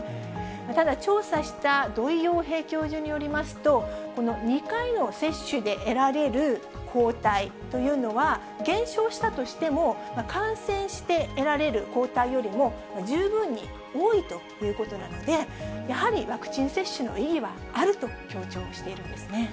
ただ、調査した土井洋平教授によりますと、この２回の接種で得られる抗体というのは、減少したとしても、感染して得られる抗体よりも、十分に多いということなので、やはりワクチン接種の意義はあると強調しているんですね。